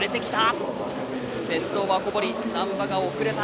先頭は小堀、難波が遅れた。